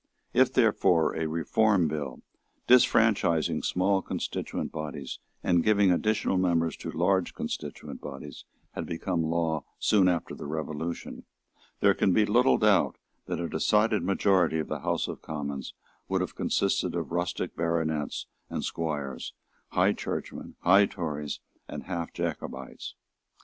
If therefore a reform bill, disfranchising small constituent bodies and giving additional members to large constituent bodies, had become law soon after the Revolution, there can be little doubt that a decided majority of the House of Commons would have consisted of rustic baronets and squires, high Churchmen, high Tories, and half Jacobites.